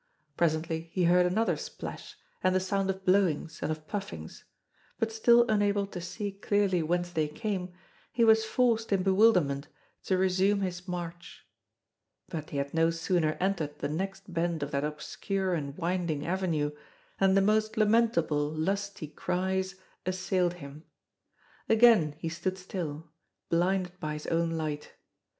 Presently he heard another splash and the sound of blowings and of puffings, but still unable to see clearly whence they came, he was forced in bewilderment to resume his march. But he had no sooner entered the next bend of that obscure and winding avenue than the most lamentable, lusty cries assailed him. Again he stood still, blinded by his own light.